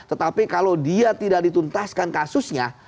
tetapi kalau dia tidak dituntaskan kasusnya